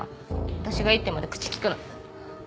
私がいいって言うまで口利くな。